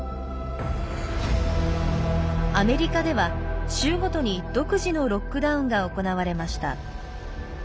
アメリカでは州ごとに独自のロックダウンが行われました。